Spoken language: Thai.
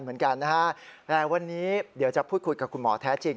และวันนี้เดี๋ยวจะพูดคุยกับคุณหมอแท้จริง